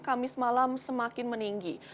kamis malam semakin meninggi